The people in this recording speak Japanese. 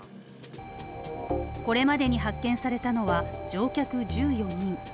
これまでに発見されたのは、乗客１４人。